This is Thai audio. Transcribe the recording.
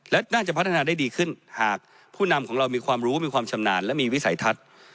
และน่าจะพัฒนาได้ดีขึ้นหากผู้นำของเรามีความรู้มีความชำนาญและมีวิสัยทัศน์